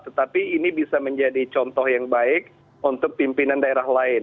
tetapi ini bisa menjadi contoh yang baik untuk pimpinan daerah lain